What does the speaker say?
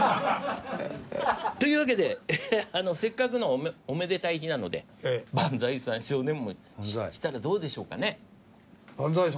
というわけでせっかくのおめでたい日なので万歳三唱でもしたらどうでしょうかね？